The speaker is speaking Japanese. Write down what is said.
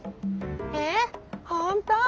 えっほんとう？